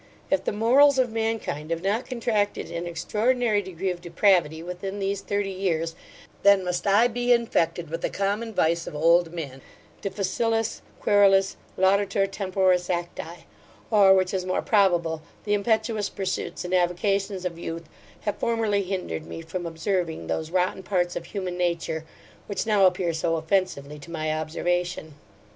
If the morals of mankind have not contracted an extraordinary degree of depravity, within these thirty years, then must I be infected with the common vice of old men, difficilis, querulus, laudator temporis acti; or, which is more probable, the impetuous pursuits and avocations of youth have formerly hindered me from observing those rotten parts of human nature, which now appear so offensively to my observation.